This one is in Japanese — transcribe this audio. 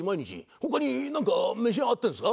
他になんか召し上がってるんですか？